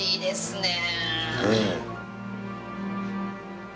ねえ。